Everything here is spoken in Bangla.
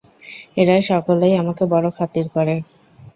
এরা সকলেই আমাকে বড় খাতির করে।